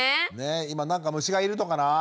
今何か虫がいるのかな？